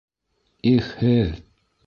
Их һеҙ!..